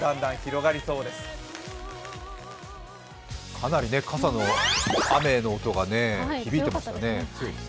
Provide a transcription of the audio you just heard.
かなり傘の雨の音が響いていましたね。